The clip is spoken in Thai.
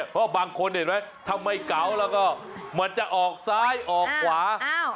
เพราะบางคนเห็นไหมถ้าไม่เก๋าแล้วก็มันจะออกซ้ายออกขวา